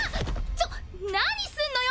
ちょっ何すんのよ！